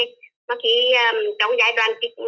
có khi trong giai đoạn